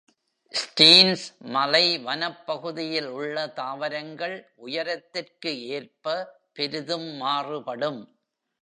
Staines மலை வனப்பகுதியில் உள்ள தாவரங்கள் உயரத்திற்கு ஏற்ப பெரிதும் மாறுபடும்.